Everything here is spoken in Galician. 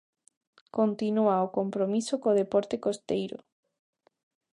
Continúa o compromiso co deporte costeiro.